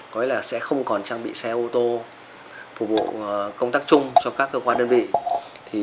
có nghĩa là sẽ không còn trang bị xe ô tô phục vụ công tác chung cho các cơ quan đơn vị